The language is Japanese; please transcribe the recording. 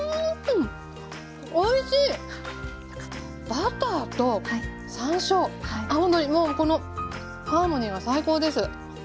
バターと山椒青のりもうこのハーモニーが最高です。